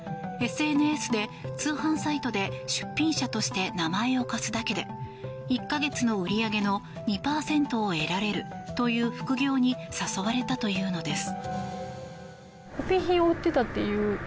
ＳＮＳで通販サイトで出品者として名前を貸すだけで１か月の売り上げの２％を得られるという副業に誘われたというのです。